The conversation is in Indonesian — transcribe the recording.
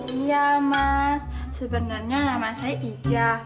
iya mas sebenernya nama saya ija